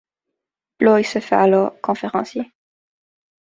Bloy se fait alors conférencier.